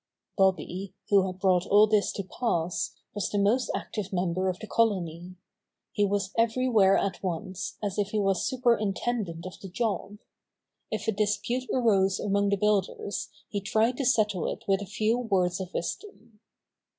Bobby, who had brought all this to pass, was the most active member of the colony. He was every where at once, as if he was su perintendent of the job. If a dispute arose among the builders he tried to settle it with a few words of wisdom.